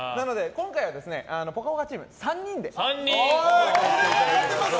今回「ぽかぽか」チーム３人で。